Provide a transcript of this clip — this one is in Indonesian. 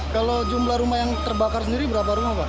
kalau jumlah rumah yang terbakar sendiri berapa rumah pak